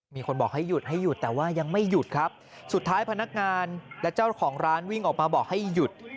มีคนบอกให้หยุดให้หยุดแต่ว่ายังไม่หยุดครับสุดท้ายพนักงานและเจ้าของร้านวิ่งออกมาบอกให้หยุด